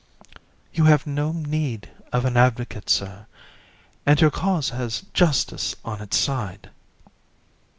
JU. You have no need of an advocate, Sir, and your cause has justice on its side.